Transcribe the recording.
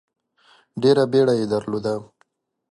ډېره بیړه یې درلوده.